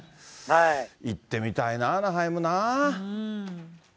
行ってみたいなぁ、アナハイムなぁ。